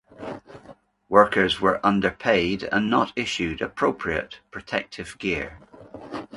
Workers were underpaid and not issued appropriate protective gear.